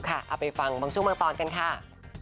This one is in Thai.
เอาไปฟังบางช่วงบางตอนกันค่ะ